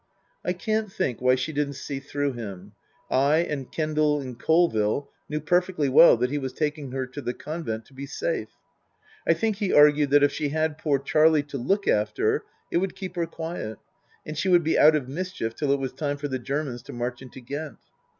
I can't think why she didn't see through him. I and Kendal and Colville knew perfectly well that he was taking her to the convent to be safe. I think he argued that if she had poor Charlie to look after it would keep her quiet, and she would be out of mischief till it was time for the Germans to march into Ghent.